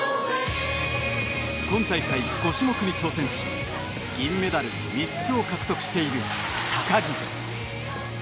今大会、５種目に挑戦し銀メダル３つを獲得している高木。